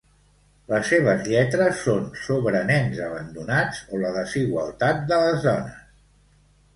Les seves lletres són sobre nens abandonats o la desigualtat de les dones.